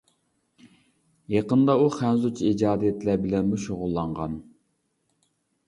يېقىندا ئۇ خەنزۇچە ئىجادىيەتلەر بىلەنمۇ شۇغۇللانغان.